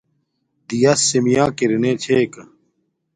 دِیَس سِمِیݳک ارِنݺ چھݺ کݳ.